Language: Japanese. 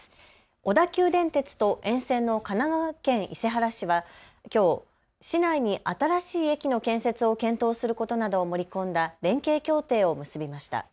小田急電鉄と沿線の神奈川県伊勢原市はきょう市内に新しい駅の建設を検討することなどを盛り込んだ連携協定を結びました。